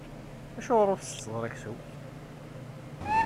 Acuɣer ur tsetteḍ ara aksum?